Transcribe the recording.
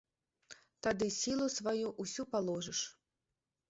Тады сілу сваю ўсю паложыш.